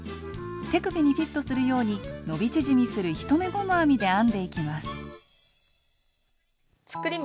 手首にフィットするように伸び縮みする１目ゴム編みで編んでいきます。